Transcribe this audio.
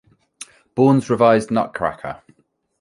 Bourne's revised Nutcracker!